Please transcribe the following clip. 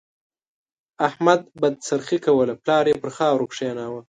احمد بدخرڅي کوله؛ پلار يې پر خاورو کېناوو.